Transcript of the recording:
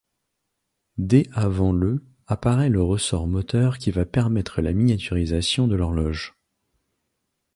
Dès avant le apparait le ressort moteur qui va permettre la miniaturisation de l'horloge.